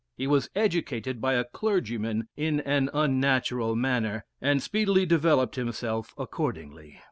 He was educated by a clergyman in an unnatural manner, and speedily developed himself accordingly.